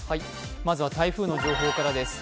まずは台風の情報からです。